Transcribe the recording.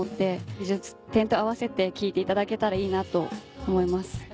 美術展とあわせて聞いていただけたらいいなと思います。